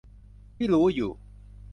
ที่รู้อยู่